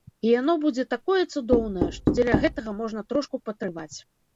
І яно будзе такое цудоўнае, што дзеля гэтага можна трошку патрываць.